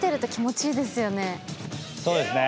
そうですね。